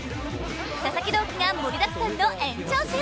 佐々木朗希が盛りだくさんの延長戦。